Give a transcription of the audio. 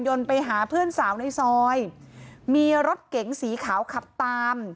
ไปหาเพื่อนสาวในซอยมีรถเก๋งสีขาวขับตาม